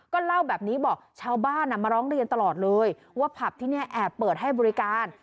ก็เล่าแบบนี้บอกชาวบ้านมาร้องเรียนตลอดเลยว่าผับที่นี่แอบเปิดให้บริการ